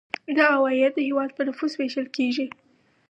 دا عواید د هیواد په نفوس ویشل کیږي.